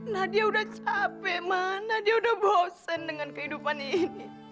nadia sudah capek ma nadia sudah bosan dengan kehidupan ini